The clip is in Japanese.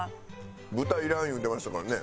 豚いらん言うてましたからね。